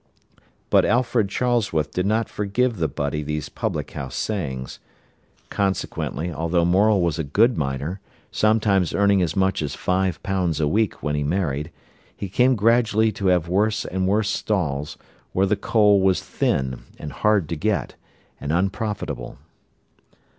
But Alfred Charlesworth did not forgive the butty these public house sayings. Consequently, although Morel was a good miner, sometimes earning as much as five pounds a week when he married, he came gradually to have worse and worse stalls, where the coal was thin, and hard to get, and unprofitable.